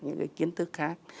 những cái kiến thức khác